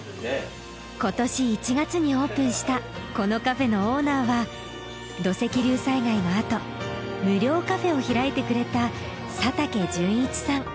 今年１月にオープンしたこのカフェのオーナーは土石流災害のあと無料カフェを開いてくれた佐竹純一さん。